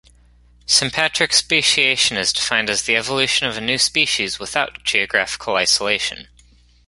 Sympatric speciation is defined as the evolution of a new species without geographical isolation.